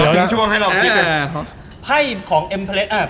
จึงช่วงให้เราคิด